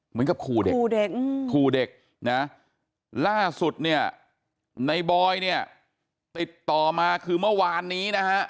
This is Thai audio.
เหมือนกับขู่เด็กขู่เด็กขู่เด็กนะล่าสุดเนี่ยในบอยเนี่ยติดต่อมาคือเมื่อวานนี้นะฮะ